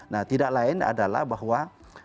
nah tidak lain adalah bahwa